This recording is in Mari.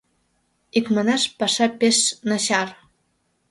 Икманаш, паша пеш начар.